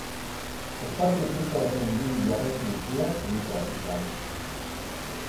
Espazio trinko baten irudi jarraitu guztiak trinkoak dira.